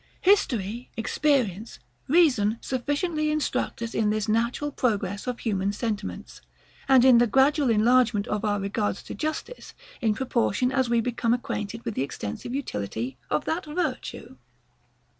History, experience, reason sufficiently instruct us in this natural progress of human sentiments, and in the gradual enlargement of our regards to justice, in proportion as we become acquainted with the extensive utility of that virtue.